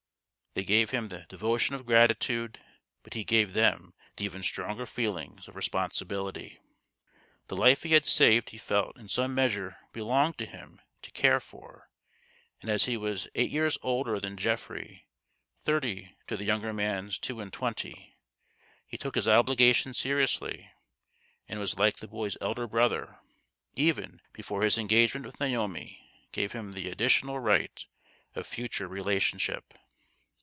They gave him the devotion of gratitude, but he gave them the even stronger feeling of THE GHOST OF THE PAST. 161 responsibility. The life he had saved he felt in some measure belonged to him to care for ; and as he was eight years older than Geoffrey thirty to the younger man's two and twenty he took his obligation seriously, and was like the boy's elder brother, even before his engagement with Naomi gave him the additional right of future relationship.